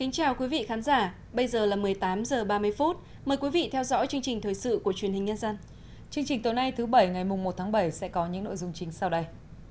chương trình tối nay thứ bảy ngày một tháng bảy sẽ có những nội dung chính sau đây